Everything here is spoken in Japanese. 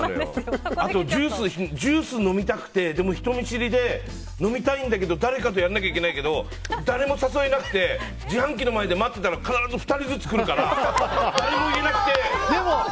あと、ジュース飲みたくてでも人見知りで飲みたいんだけど誰かとやらなきゃいけないけど誰も誘えなくて自販機の前で待ってたら必ず２人ずつ来るから誰にも言えなくて。